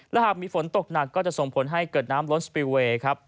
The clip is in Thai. และหากมีฝนตกหนักก็จะส่งผลให้เกิดน้ำล้นสปิลเวย์ครับ